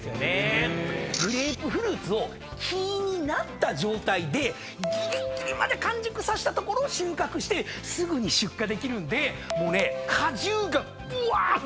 グレープフルーツを木になった状態でぎりぎりまで完熟させたところを収穫してすぐに出荷できるんでもうね果汁がぶわーってあふれ出るんですよ。